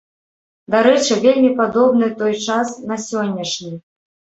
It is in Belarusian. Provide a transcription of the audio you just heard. Дарэчы, вельмі падобны той час на сённяшні.